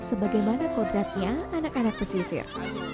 sebagai mana kodratnya anak anak pesisir